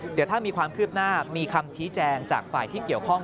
เดี๋ยวถ้ามีความคืบหน้ามีคำชี้แจงจากฝ่ายที่เกี่ยวข้อง